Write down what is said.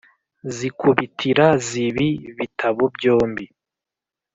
zikubitira zibi bitabo byombi